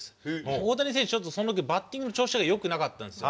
大谷選手、その時バッティングの調子がよくなかったんですよ。